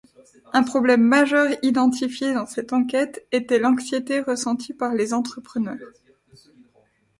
Un problème majeur identifié dans cette enquête était l'anxiété ressentie par les entrepreneurs.